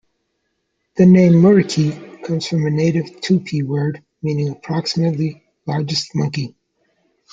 The name "muriqui" comes from a native Tupi word meaning approximately 'largest monkey'.